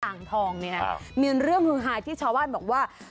อ่างทองเนี่ยนะมีเรื่องฮือฮาที่ชาวบ้านบอกว่า